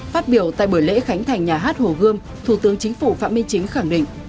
phát biểu tại buổi lễ khánh thành nhà hát hồ gươm thủ tướng chính phủ phạm minh chính khẳng định